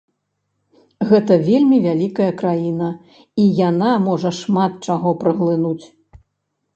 Гэта вельмі вялікая краіна, і яна можа шмат чаго праглынуць.